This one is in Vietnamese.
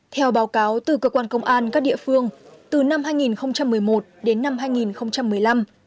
theo báo cáo từ cơ quan công an các địa phương từ năm hai nghìn một mươi một đến năm hai nghìn một mươi năm